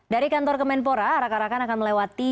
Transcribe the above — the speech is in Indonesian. dari kantor kemenpora rakan rakan akan melewati